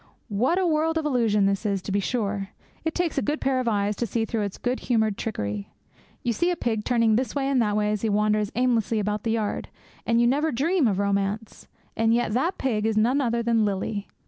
What a world of illusion this is, to be sure! It takes a good pair of eyes to see through its good humoured trickery. You see a pig turning this way and that way as he wanders aimlessly about the yard, and you never dream of romance. And yet that pig is none other than Lily!